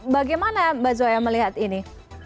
bagaimana mbak zoya melihat ini